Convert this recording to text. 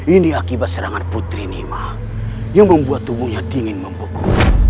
ini akibat serangan putri nima yang membuat tubuhnya dingin membeku